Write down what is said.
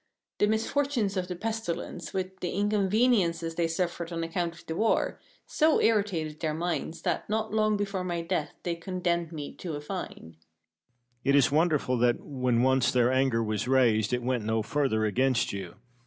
The misfortune of the pestilence, with the inconveniences they suffered on account of the war, so irritated their minds, that not long before my death they condemned me to a fine. Cosmo. It is wonderful that, when once their anger was raised, it went no further against you!